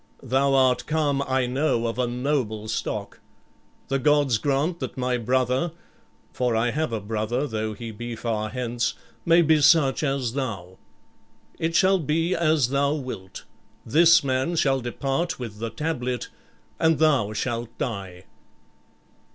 Thou art come, I know, of a noble stock. The gods grant that my brother for I have a brother, though he be far hence may be such as thou. It shall be as thou wilt. This man shall depart with the tablet and thou shalt die."